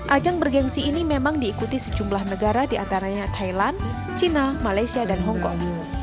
ajang bergensi ini memang diikuti sejumlah negara di antaranya thailand china malaysia dan hong kong